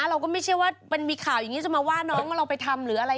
แล้วไม่เชื่อว่ามีข่าวจะมาว่าน้องเราไปทำหรืออะไร